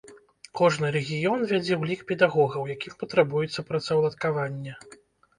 Кожны рэгіён вядзе ўлік педагогаў, якім патрабуецца працаўладкаванне.